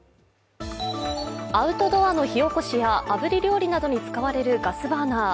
アウトドアの火起こしやあぶり料理などに使われるガスバーナー。